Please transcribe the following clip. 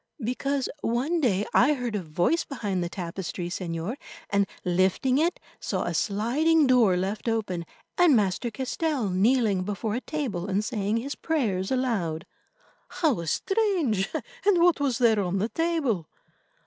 "Because one day I heard a voice behind the tapestry, Señor, and, lifting it, saw a sliding door left open, and Master Castell kneeling before a table and saying his prayers aloud." "How strange! And what was there on the table?"